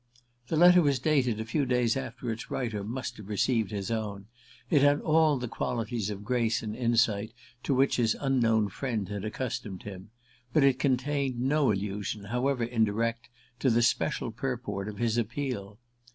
The letter was dated a few days after its writer must have received his own: it had all the qualities of grace and insight to which his unknown friend had accustomed him, but it contained no allusion, however indirect, to the special purport of his appeal.